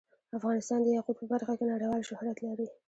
افغانستان د یاقوت په برخه کې نړیوال شهرت لري.